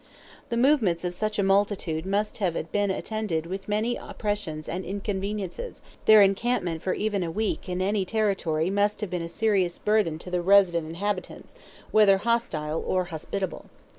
The movements of such a multitude must have been attended with many oppressions and inconveniences; their encampment for even a week in any territory must have been a serious burthen to the resident inhabitants, whether hostile or hospitable.